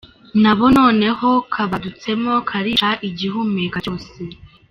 Nabo noneho kabadutsemo, karica igihumeka cyose.